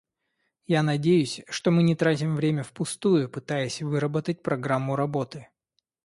Я надеюсь, что мы не тратим время впустую, пытаясь выработать программу работы.